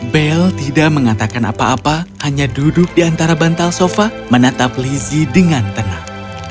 bel tidak mengatakan apa apa hanya duduk di antara bantal sofa menatap lizzie dengan tenang